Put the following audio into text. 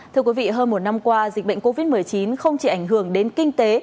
thưa quý vị hơn một năm qua dịch bệnh covid một mươi chín không chỉ ảnh hưởng đến kinh tế